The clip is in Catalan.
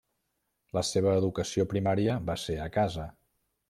La seva educació primària va ser a casa.